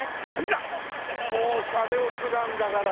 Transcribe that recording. もうシャレオツなんだから。